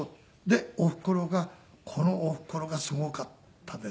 でおふくろがこのおふくろがすごかったですね。